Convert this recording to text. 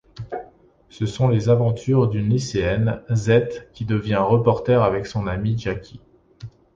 Ce sont les aventures d'une lycéenne, Zette, qui devient reporter avec son amie Jackie.